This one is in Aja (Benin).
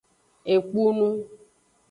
Ekpunu.